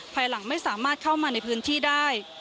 ภายหลังไม่สามารถเข้ามาในพื้นที่ได้